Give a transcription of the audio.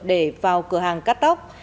để vào cửa hàng cắt tóc